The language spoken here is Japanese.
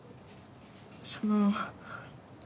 その。